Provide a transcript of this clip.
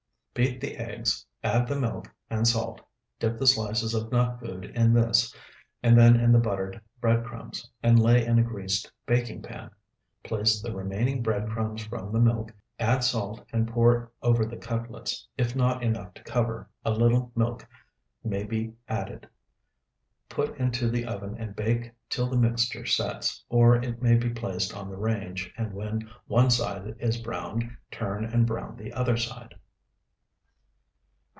Beat the eggs, add the milk and salt, dip the slices of nut food in this, and then in the buttered bread crumbs, and lay in a greased baking pan. Place the remaining bread crumbs with the milk, add salt, and pour over the cutlets. If not enough to cover, a little milk may be added. Put into the oven and bake till the mixture sets, or it may be placed on the range, and when one side is browned turn and brown the other side.